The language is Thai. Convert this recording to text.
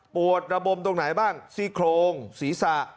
ปวดระบมตรงไหนบ้างซี่โครงศีรษะ